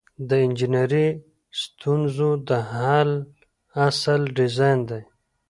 د انجنیری د ستونزو د حل اصل ډیزاین دی.